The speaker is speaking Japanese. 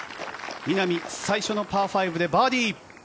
稲見、最初のパー５でバーディー。